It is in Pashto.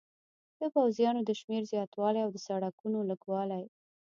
د پوځیانو د شمېر زیاتوالی او د سړکونو لږوالی.